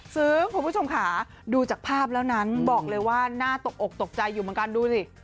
ซึ่งคุณผู้ชมค่ะดูจากภาพแล้วนั้นบอกเลยว่าน่าตกอกตกใจอยู่เหมือนกันดูสิ